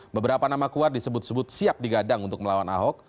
beberapa nama kuat disebut sebut siap digadang untuk melawan ahok